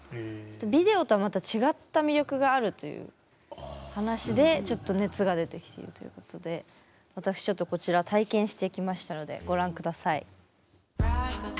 ビデオとはまた違った魅力があるという話でちょっと熱が出てきているということで私ちょっとこちら体験してきましたのでご覧ください。